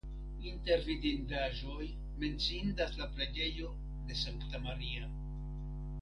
Inter vidindaĵoj menciindas la preĝejo de Sankta Maria.